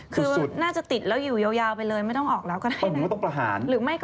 คือน่าจะติดแล้วอยู่ยาวไปเลยไม่ต้องออกแล้วก็ได้